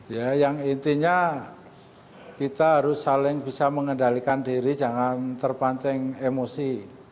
ya yang intinya kita harus saling bisa mengendalikan diri jangan terpancing emosi